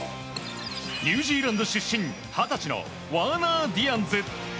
ニュージーランド出身二十歳のワーナー・ディアンズ。